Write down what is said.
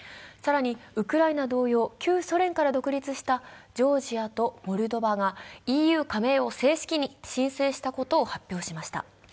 更にウクライナ同様、旧ソ連から独立したジョージアとモルドバがＥＵ加盟を正式に申請したことを発表しました。